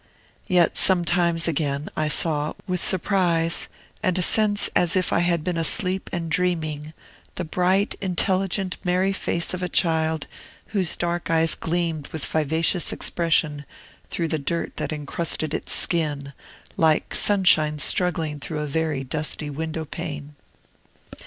Yet sometimes, again, I saw, with surprise and a sense as if I had been asleep and dreaming, the bright, intelligent, merry face of a child whose dark eyes gleamed with vivacious expression through the dirt that incrusted its skin, like sunshine struggling through a very dusty window pane.